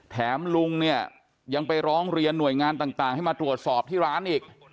แถมลุงเนี่ยยังไปร้องเรียนหน่วยงานต่างให้มาตรวจสอบที่ร้านอีก